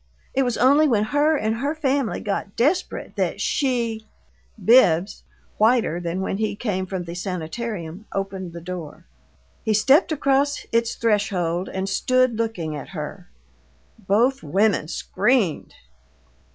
It was only when her and her family got desperate that she " Bibbs whiter than when he came from the sanitarium opened the door. He stepped across its threshold and stook looking at her. Both women screamed.